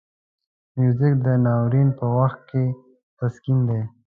موزیک د ناورین په وخت کې تسکین دی.